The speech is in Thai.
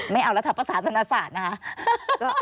ไม่เอาลักษณะภาษาศาสนาศาสตร์นะคะ